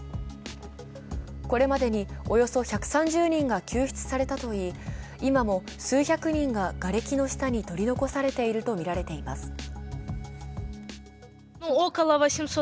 これまでにおよそ１３０人が救出されたといい、今も数百人ががれきの下に取り残されているとみられます。